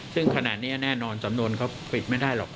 ซึ่งขนาดนี้แน่นอนสำนวนเขาปิดไม่ได้หรอก